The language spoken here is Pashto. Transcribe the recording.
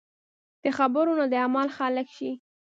د خبرو نه د عمل خلک شئ .